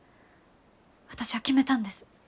私は決めたんです。